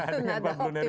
sehingga pak blunirudha